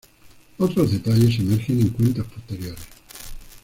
Otros detalles emergen en cuentas posteriores.